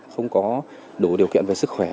không có đủ điều kiện về sức khỏe